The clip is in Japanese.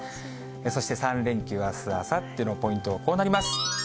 そして３連休、あす、あさってのポイントはこうなります。